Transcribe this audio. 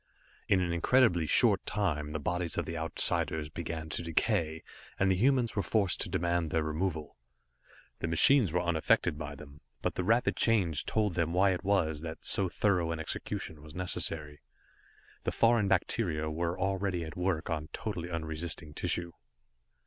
In an incredibly short time the bodies of the Outsiders began to decay, and the humans were forced to demand their removal. The machines were unaffected by them, but the rapid change told them why it was that so thorough an execution was necessary. The foreign bacteria were already at work on totally unresisting tissue.